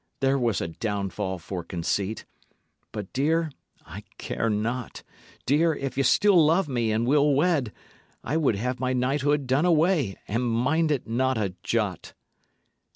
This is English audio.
There was a downfall for conceit! But, dear, I care not dear, if ye still love me and will wed, I would have my knighthood done away, and mind it not a jot."